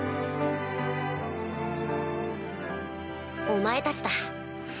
お前たちだ。